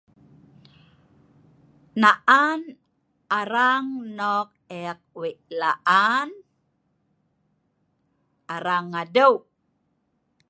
Naan arang nok ek wei laan ,arang adeu